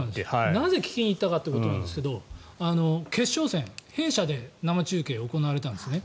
なぜ聞きに行ったかということなんですが決勝戦、弊社で生中継が行われたんですね。